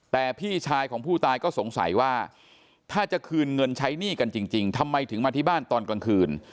แต่พี่ชายของผู้ตายก็สงสัยว่าถ้าจะคืนเงินใช้หนี้กันจริงทำไมถึงมาที่บ้านตอนกลางคืน